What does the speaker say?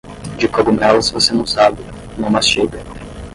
De cogumelos você não sabe, não mastiga.